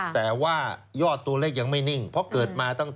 แต่ว่ายอดตัวเลขยังไม่นิ่ง